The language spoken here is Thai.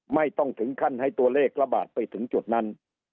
ไม่ต้องถึงขั้นให้ตัวเลขระบาดไปถึงจุดนั้น